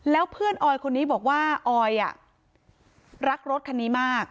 แล้วเพื่อนออยคนนี้บอกว่าออยรักรถคันนี้มาก